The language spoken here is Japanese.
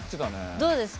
どうですか？